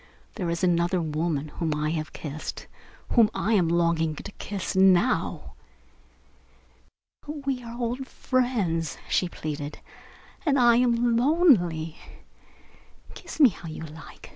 "There is another woman whom I have kissed whom I am longing to kiss now." "But we are old friends," she pleaded, "and I am lonely. Kiss me how you like.